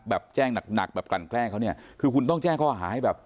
แจ้งหนักหนักแบบกลั่นแกล้งเขาเนี่ยคือคุณต้องแจ้งข้อหาให้แบบ